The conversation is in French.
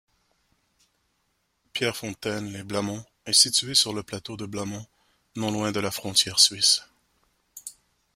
Pierrefontaine-lès-Blamont est située sur le plateau de Blamont, non loin de la frontière suisse.